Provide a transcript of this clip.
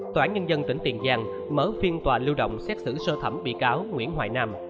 tòa án nhân dân tỉnh tiền giang mở phiên tòa lưu động xét xử sơ thẩm bị cáo nguyễn hoài nam